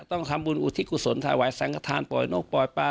ต้องทำบุญอุทิกุศลถวายสังขทานปายโนะปล่องปลายปลา